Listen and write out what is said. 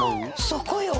そこよ。